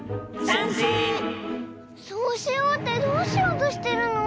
そうしようってどうしようとしてるの？